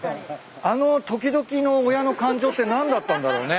あの時々の親の感情って何だったんだろうね。